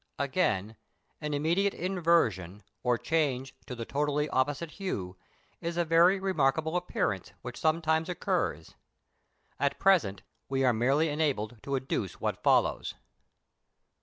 Again, an immediate inversion or change to the totally opposite hue, is a very remarkable appearance which sometimes occurs; at present, we are merely enabled to adduce what follows.